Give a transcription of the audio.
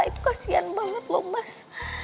itu kasian banget loh mas